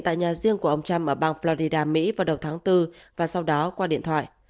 tại nhà riêng của ông trump ở bang florida mỹ vào đầu tháng bốn và sau đó qua điện thoại